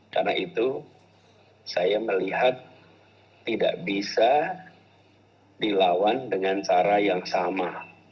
karena itu saya melihat tidak bisa dilawan dengan cara yang sama